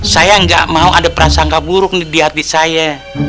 saya nggak mau ada prasangka buruk di hati saya